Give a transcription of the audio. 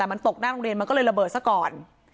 มันตกหน้าโรงเรียนมันก็เลยระเบิดซะก่อน